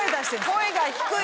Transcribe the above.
声が低い。